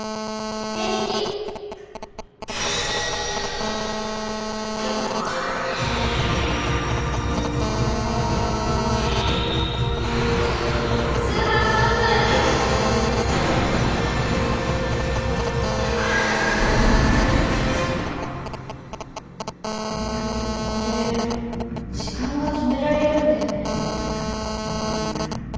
これ時間が止められるんだよね？